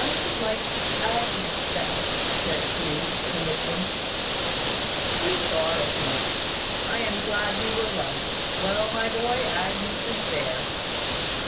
"I should like Agnes best," said Hugh, timidly. "We thought as much. I am glad we were right. Well, my boy, Agnes is there."